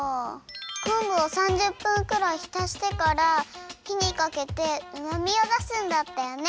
こんぶを３０分くらいひたしてからひにかけてうまみをだすんだったよね。